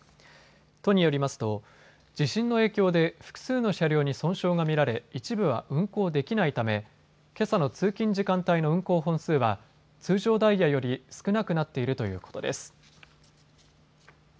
都によりますと地震の影響で複数の車両に損傷が見られ、一部は運行できないためけさの通勤時間帯の運行本数は通常ダイヤより少なくなっているということです。